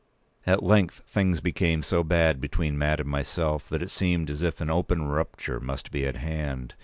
At length things became so bad between Mat and myself that it seemed as if an open rupture must be at hand.